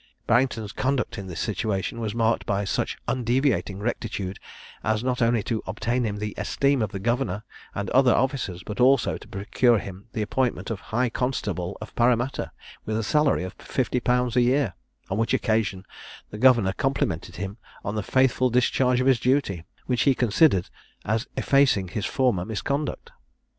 Barrington's conduct in this situation was marked by such undeviating rectitude as not only to obtain him the esteem of the governor and other officers, but also to procure him the appointment of high constable of Paramatta, with a salary of fifty pounds a year; on which occasion the governor complimented him on the faithful discharge of his duty, which he considered as effacing his former misconduct.